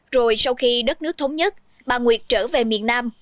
rồi sau khi đất nước thống nhất bà nguyệt trở về miền nam